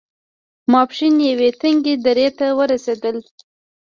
ماسپښين يوې تنګې درې ته ورسېدل.